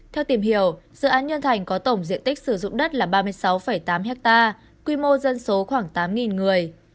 theo tìm hiểu dự án nhân thành có tổng diện tích sử dụng đất là ba mươi sáu tám ha quy mô dân số khoảng tám người